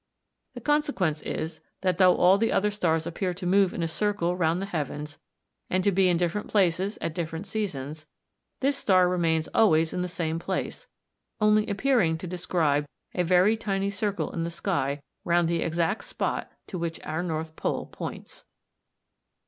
The consequence is, that though all the other stars appear to move in a circle round the heavens, and to be in different places at different seasons, this star remains always in the same place, only appearing to describe a very tiny circle in the sky round the exact spot to which our North Pole points.